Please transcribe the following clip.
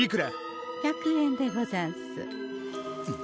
１００円でござんす。